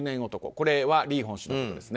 これはリーホン氏のことですね。